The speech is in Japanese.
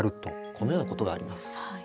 このようなことがあります。